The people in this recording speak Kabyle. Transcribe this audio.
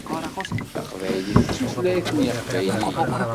Taqbaylit d tutlayt n yeqbayliyen.